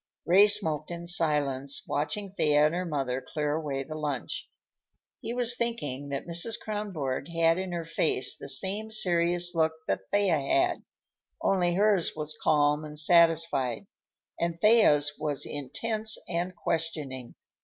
Ray smoked in silence, watching Thea and her mother clear away the lunch. He was thinking that Mrs. Kronborg had in her face the same serious look that Thea had; only hers was calm and satisfied, and Thea's was intense and questioning.